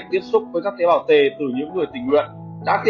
tiếp xúc với các tế bào t